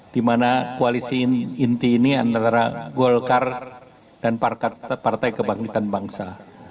dimana koalisi inti ini antara golkar dan partai kebangkitan bangsa